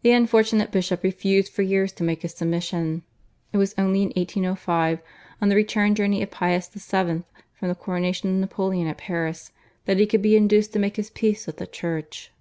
The unfortunate bishop refused for years to make his submission. It was only in 1805, on the return journey of Pius VII. from the coronation of Napoleon at Paris, that he could be induced to make his peace with the Church.